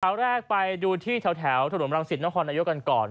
เปียงแลกไปดูที่แถวถนนมรังสิทธิ์น้องคลอนัยกันก่อน